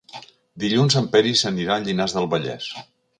Dilluns en Peris anirà a Llinars del Vallès.